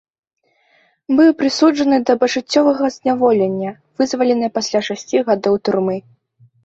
Быў прысуджаны да пажыццёвага зняволення, вызвалены пасля шасці гадоў турмы.